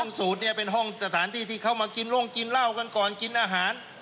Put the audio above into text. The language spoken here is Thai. สูตรเนี่ยเป็นห้องสถานที่ที่เขามากินร่งกินเหล้ากันก่อนกินอาหาร